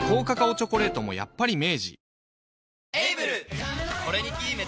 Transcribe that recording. チョコレートもやっぱり明治